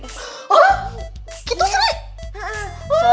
oh begitu sri